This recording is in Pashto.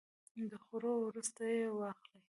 د خوړو وروسته یی واخلئ